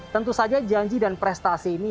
tentu saja janji dan prestasi ini